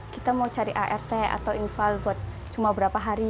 kita mau cari art atau infal buat cuma berapa hari